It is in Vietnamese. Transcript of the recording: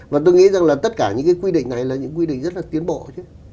và tôi nghĩ rằng là tất cả những cái quy định này là những quy định rất là tiến bộ chứ